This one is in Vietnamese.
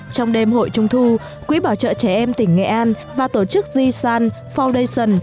trong đêm hội trung thu quỹ bảo trợ trẻ em tỉnh nghệ an và tổ chức g san foundation